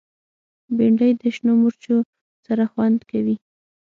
بېنډۍ د شنو مرچو سره خوند کوي